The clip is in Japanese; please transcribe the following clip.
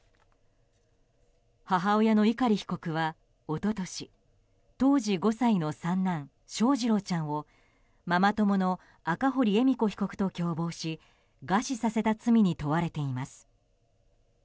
母親の碇被告は一昨年当時５歳の三男・翔士郎ちゃんをママ友の赤堀恵美子被告と共謀し餓死させた罪に問われています。